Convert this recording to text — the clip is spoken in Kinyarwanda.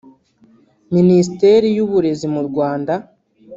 Minisiteri y’uburezi mu Rwanda